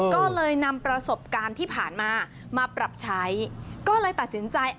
ก็เลยนำประสบการณ์ที่ผ่านมามาปรับใช้ก็เลยตัดสินใจ